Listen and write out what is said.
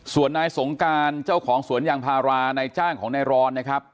ส่วนนายสงการเจ้าของสวนยางพารานายจ้างของนายรอนนะครับ